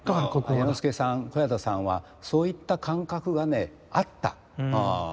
彌之助さん小彌太さんはそういった感覚がねあった。